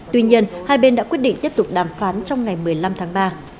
tuy nhiên hai bên đã quyết định tiếp tục đàm phán trong ngày một mươi năm tháng ba